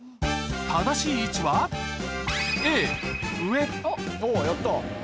正しい位置はやった。